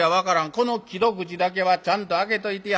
この木戸口だけはちゃんと開けといてや』。